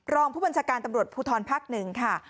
รองผู้บัญชาการตำรวจภูทรภักดิ์๑ค่ะ